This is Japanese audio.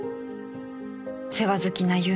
世話好きな優美